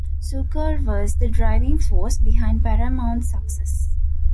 Zukor was the driving force behind Paramount's success.